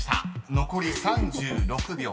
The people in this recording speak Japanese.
［残り３６秒］